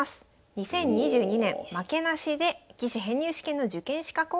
２０２２年負けなしで棋士編入試験の受験資格を獲得しました。